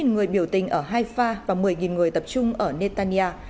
một mươi người biểu tình ở haifa và một mươi người tập trung ở netanya